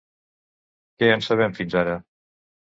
Què en sabem fins ara?